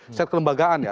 secara kelembagaan ya